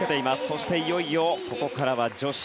そしていよいよここからは女子。